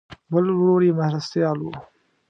بل ورور یې مرستیال و.